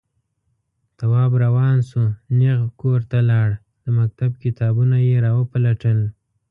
تواب روان شو، نېغ کور ته لاړ، د مکتب کتابونه يې راوپلټل.